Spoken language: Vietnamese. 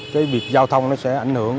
cái việc giao thông nó sẽ ảnh hưởng